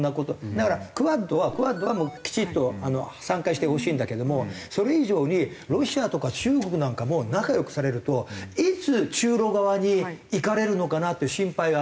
だからＱＵＡＤはＱＵＡＤはもうきちっと参加してほしいんだけどもそれ以上にロシアとか中国なんかも仲良くされるといつ中露側にいかれるのかなっていう心配がある。